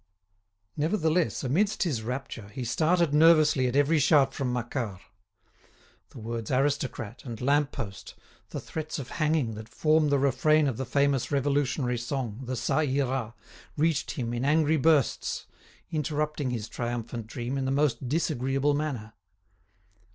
Nevertheless, amidst his rapture, he started nervously at every shout from Macquart. The words aristocrat and lamp post, the threats of hanging that form the refrain of the famous revolutionary song, the "Ca Ira," reached him in angry bursts, interrupting his triumphant dream in the most disagreeable manner.